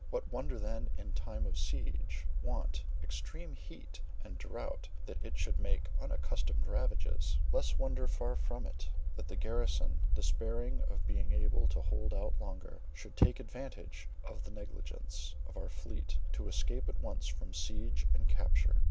What wonder then, in time of siege, want, extreme heat, and drought, that it should make unaccustomed ravages? Less wonder far is it, that the garrison, despairing of being able to hold out longer, should take advantage of the negligence of our fleet to escape at once from siege and capture.